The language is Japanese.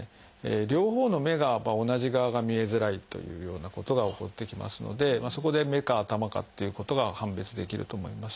両方の目が同じ側が見えづらいというようなことが起こってきますのでそこで目か頭かっていうことが判別できると思います。